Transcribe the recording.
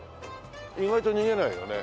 意外と逃げないよね。